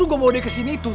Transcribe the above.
tiga dua satu